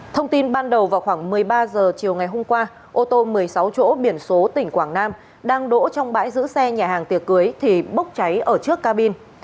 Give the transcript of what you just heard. thông tin ban đầu vào khoảng một mươi ba h chiều ngày hôm qua ô tô một mươi sáu chỗ biển số tỉnh quảng nam đang đỗ trong bãi giữ xe nhà hàng tiệc cưới thì bốc cháy ở trước cabin